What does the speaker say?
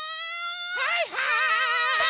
はいはい！